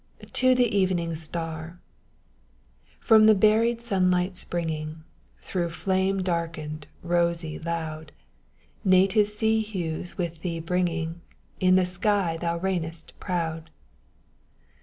"TO THE EVENING STAR. "From the buried sunlight springing, Through flame darkened, rosy loud, Native sea hues with thee bringing, In the sky thou reignest proud!